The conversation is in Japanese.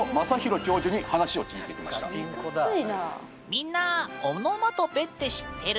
みんなオノマトペって知ってる？